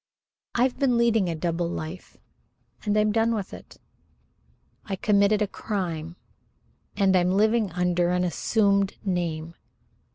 I've been leading a double life, and I'm done with it. I committed a crime, and I'm living under an assumed name.